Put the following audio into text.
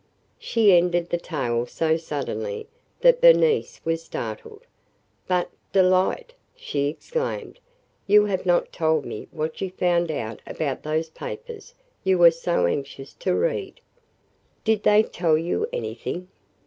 She ended the tale so suddenly that Bernice was startled. "But, Delight," she exclaimed, "you have not told me what you found out about those papers you were so anxious to read! Did they tell you anything?